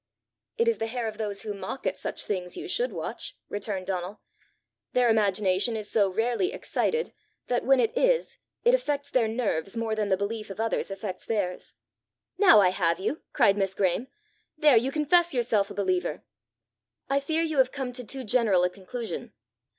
"It is the hair of those who mock at such things you should watch," returned Donal. "Their imagination is so rarely excited that, when it is, it affects their nerves more than the belief of others affects theirs." "Now I have you!" cried Miss Graeme. "There you confess yourself a believer!" "I fear you have come to too general a conclusion.